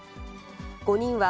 ５人は、